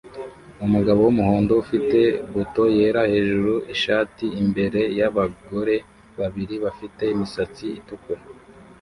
Umugabo wumuhondo ufite buto yera hejuru ishati imbere yabagore babiri bafite imisatsi itukura